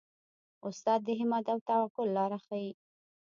استاد د همت او توکل لاره ښيي.